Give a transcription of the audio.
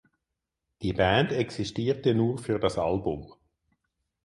Die Band existierte nur für das Album.